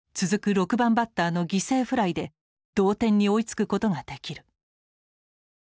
６番バッターの犠牲フライで同点に追いつくことができる。